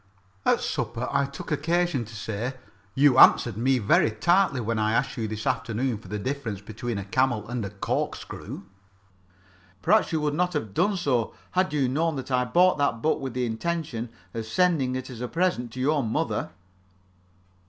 At supper I took occasion to say: "You answered me very tartly when I asked you this afternoon for the difference between a camel and a corkscrew. Perhaps you would not have done so had you known that I bought that book with the intention of sending it as a present to your mother."